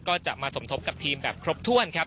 ก็จะมาสมทบกับทีมแบบครบถ้วนครับ